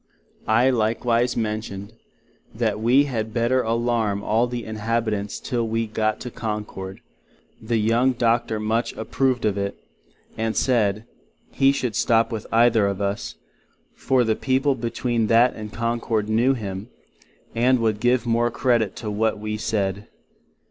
I likewise mentioned, that we had better allarm all the Inhabitents till we got to Concord; the young Doctor much approved of it, and said, he would stop with either of us, for the people between that and Concord knew him, and would give the more credit to what we said.